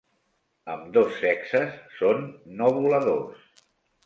Ambdós sexes són no voladors.